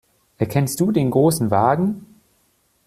Erkennst du den Großen Wagen?